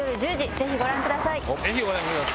ぜひご覧ください。